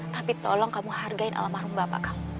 tapi tolong kamu hargai almarhum bapak kamu